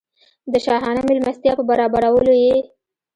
د شاهانه مېلمستیا په برابرولو یې.